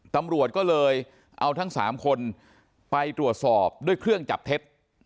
ตำรวจก็เลยเอาทั้ง๓คนไปตรวจสอบด้วยเครื่องจับเท็จ